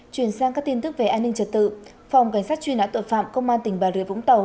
chuyển sang các tin tức về an ninh trật tự phòng cảnh sát truy nã tội phạm công an tỉnh bà rịa vũng tàu